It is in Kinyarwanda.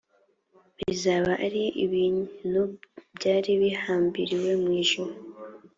bizaba ari ibintu byari bihambiriwe mu ijuru